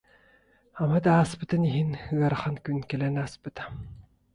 Ама да ааспытын иһин, ыарахан күн кэлэн ааспыта